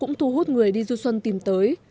mọi người cũng thu hút người đi du xuân tìm tới